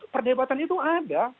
perdebatan itu ada